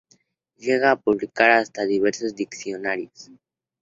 Llega a publicar hasta diversos diccionarios.